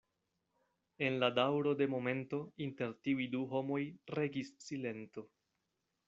En la daŭro de momento inter tiuj du homoj regis silento.